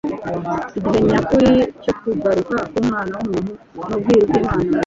Igihe nyakuri cyo kugaruka k'Umwana w'umuntu ni ubwiru bw'Imana.